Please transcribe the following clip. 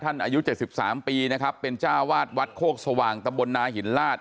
ท่านอายุเจ็บสิบสามปีนะครับเป็นจ้าวาสวัดโคกสว่างตะบลนาหินลาช